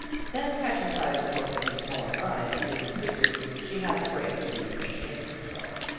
Then catching sight of poor Peggy's swollen eyes and drooping figure, she had the grace to be ashamed of herself.